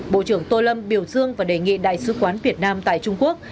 bộ trưởng tô lâm biểu dương và đề nghị đại sứ quán việt nam tại trung quốc